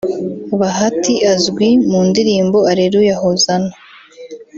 Bahati azwi mu ndirimbo Aleluya Hozana